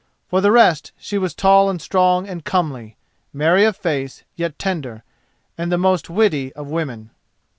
For the rest she was tall and strong and comely, merry of face, yet tender, and the most witty of women.